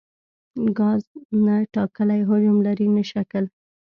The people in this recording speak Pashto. ګاز نه ټاکلی حجم لري نه شکل.